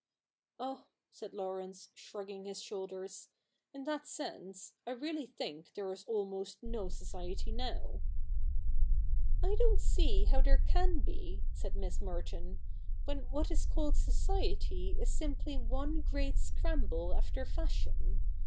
' Oh,' said Laurence, shrugging his shoulders, ' in that sense, I really think there is almost no society now.' ' I don't see how there can be,' said Miss Merton, ' when what is called society is simply one great scramble after fashion.